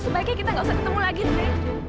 sebaiknya kita gak usah ketemu lagi deh